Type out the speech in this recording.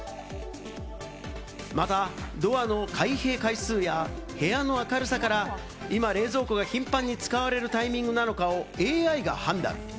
またドアの開閉回数や部屋の明るさから、今、冷蔵庫が頻繁に使われるタイミングなのかをＡＩが判断。